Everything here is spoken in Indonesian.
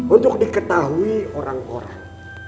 untuk diketahui orang orang